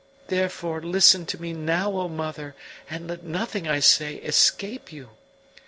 Therefore listen to me now, O mother, and let nothing I say escape you.